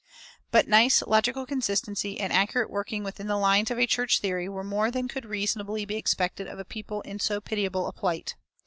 [354:1] But nice logical consistency and accurate working within the lines of a church theory were more than could reasonably be expected of a people in so pitiable a plight.